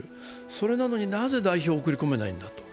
それなのになぜ代表を送り込めないんだと。